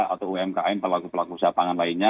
atau umkm pelaku pelaku usaha pangan lainnya